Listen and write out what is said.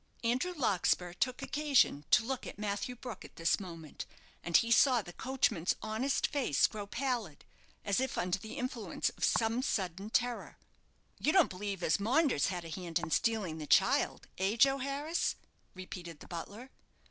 Andrew Larkspur took occasion to look at Matthew Brook at this moment; and he saw the coachman's honest face grow pallid, as if under the influence of some sudden terror. "You don't believe as Maunders had a hand in stealing the child, eh, Joe Harris?" repeated the butler.